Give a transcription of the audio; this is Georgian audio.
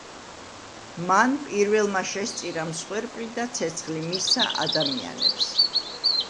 მან პირველმა შესწირა მსხვერპლი და ცეცხლი მისცა ადამიანებს.